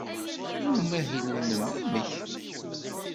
I umahil-nnem, amek?